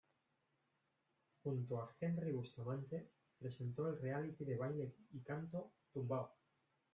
Junto a Henry Bustamante, presentó el reality de baile y canto, "Tumbao".